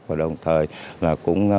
và đồng thời là cũng